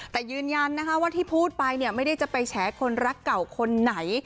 แต่ยืนยันนะคะว่าที่พูดไปเนี่ยไม่ได้จะไปแฉคนรักเก่าคนไหน